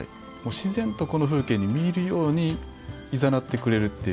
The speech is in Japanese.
自然とこの風景に見入るようにいざなってくれるっていう。